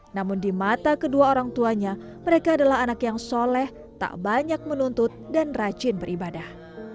namun di mata kedua orang tuanya mereka adalah anak yang soleh tak banyak menuntut dan rajin beribadah